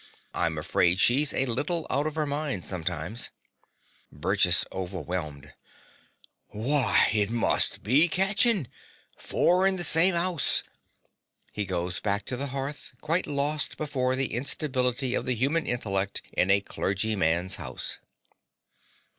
I'm afraid she's a little out of her mind sometimes. BURGESS (overwhelmed). Why, it must be catchin'! Four in the same 'ouse! (He goes back to the hearth, quite lost before the instability of the human intellect in a clergyman's house.)